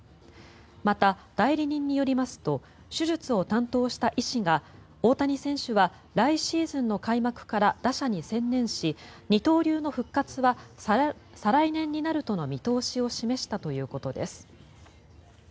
また、代理人によりますと手術を担当した医師が大谷選手は来シーズンの開幕から打者に専念し二刀流の復活は再来年になるとの見通しを示したということです。